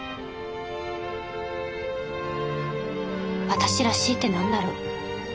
私らしいって何だろう。